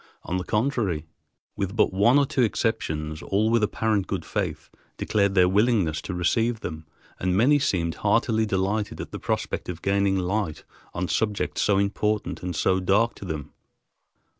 On the contrary, with but one or two exceptions, all with apparent good faith declared their willingness to receive them, and many seemed heartily delighted at the prospect of gaining light on subjects so important and so dark to them.